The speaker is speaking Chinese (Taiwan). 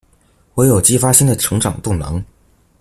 唯有激發新的成長動能